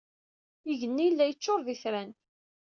Igenni yella yeccuṛ d itran.